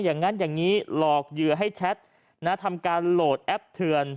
อย่างนั้นอย่างนี้หลอกเหยื่อให้แชททำการโหลดแอปเถือน